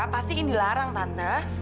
pasti ini dilarang tante